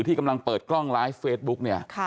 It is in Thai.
ที่กำลังเปิดกล้องไลฟ์เฟซบุ๊กเนี่ย